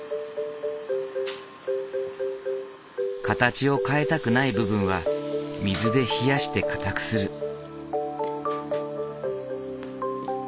形を変えたくない部分は水で冷やして硬くする。